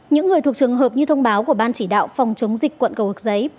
những người thuộc trường hợp như thông báo của ban chỉ đạo phòng chống dịch quận cầu giấy